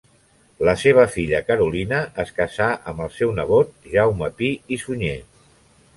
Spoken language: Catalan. La seva filla Carolina es casà amb el seu nebot Jaume Pi i Sunyer.